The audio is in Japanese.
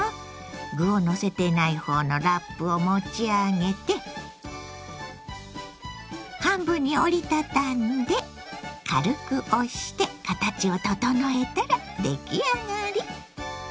具をのせていない方のラップを持ち上げて半分に折り畳んで軽く押して形を整えたら出来上がり！